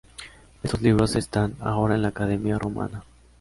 Estos libros están ahora en la Academia Rumana.